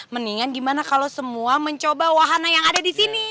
mendingan gimana kalau semua mencoba wahana yang ada disini